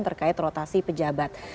terkait rotasi pejabat